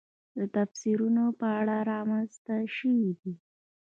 د تفسیرونو په اړه رامنځته شوې دي.